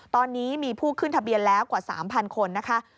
ตอนนี้มีผู้ขึ้นทะเบียนแล้วกว่า๓๐๐คนนะคะ